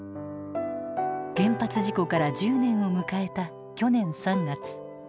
原発事故から１０年を迎えた去年３月。